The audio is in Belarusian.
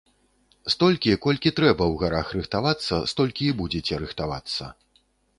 Столькі, колькі трэба ў гарах рыхтавацца, столькі і будзеце рыхтавацца.